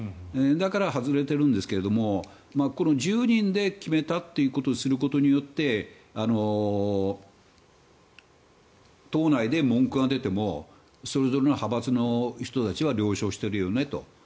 だから外れてるんですけどもこの１０人で決めたということにすることによって党内で文句が出てもそれぞれの派閥の人たちは了承しているよねと。